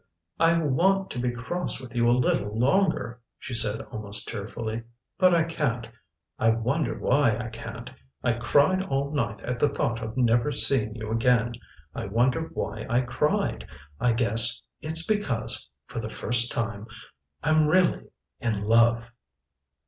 "I wanted to be cross with you a little longer," she said almost tearfully. "But I can't. I wonder why I can't. I cried all night at the thought of never seeing you again. I wonder why I cried. I guess it's because for the first time I'm really in love."